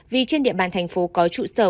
vì trên địa bàn thành phố có trụ sở